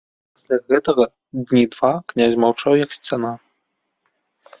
Пасля гэтага дні два князь маўчаў, як сцяна.